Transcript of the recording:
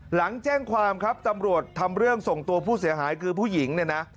หลังแจ้งความครับตำรวจทำเรื่องส่งตัวผู้เสียหายคือผู้หญิงเนี่ยนะ